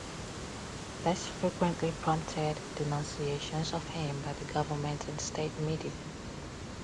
This frequently prompted denunciations of him by the government and state media.